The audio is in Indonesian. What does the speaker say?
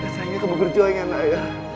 sayangnya kamu berjuang ya naya